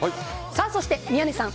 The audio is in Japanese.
そして宮根さん